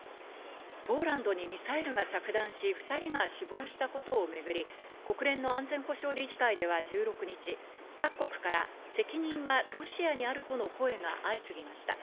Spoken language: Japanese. ポーランドにミサイルが着弾し２人が死亡したことをめぐり、国連の安全保障理事会では１６日、各国から責任はロシアにあるとの声が相次ぎました。